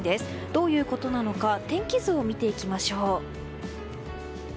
どういうことなのか天気図を見ていきましょう。